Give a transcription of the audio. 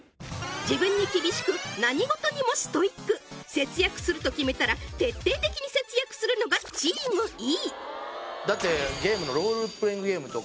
自分に厳しく何事にもストイック節約すると決めたら徹底的に節約するのがチームＥ